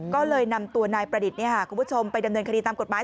ก็เลยนำตัวนายประดิษฐ์คุณผู้ชมไปดำเนินคดีตามกฎหมาย